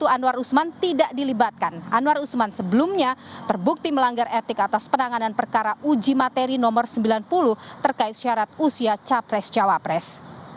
anwar usman sebelumnya berbukti melanggar etik atas penanganan perkara uji materi nomor sembilan puluh terkait syarat usia capres capapres